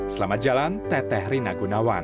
selamat jalan teteh rina gunawan